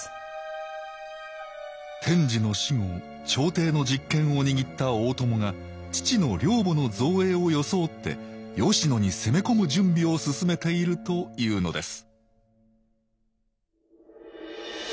天智の死後朝廷の実権を握った大友が父の陵墓の造営を装って吉野に攻め込む準備を進めているというのです